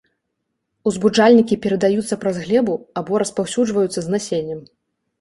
Узбуджальнікі перадаюцца праз глебу або распаўсюджваюцца з насеннем.